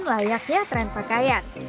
sejak tahun tahun layaknya tren pakaian